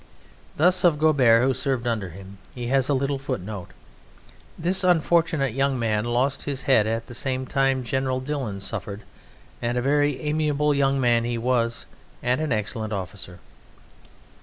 Thus of Gobert, who served under him, he has a little footnote: "This unfortunate young man lost his head at the same time General Dillon suffered, and a very amiable young man he was, and an excellent officer."